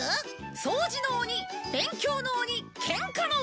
掃除の鬼勉強の鬼ケンカの鬼